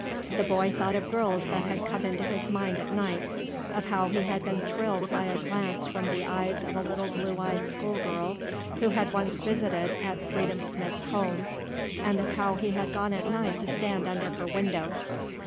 The boy thought of girls that had come into his mind at night, of how he had been thrilled by a glance from the eyes of a little blue eyed school girl who had once visited at Freedom Smith's home and of how he had gone at night to stand under her window.